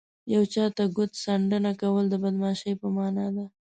یو چاته ګوت څنډنه کول د بدماشۍ په مانا ده